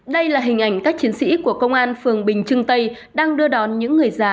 đây là hình ảnh các chiến sĩ của công an phường bình trưng tây đang đưa đón những người già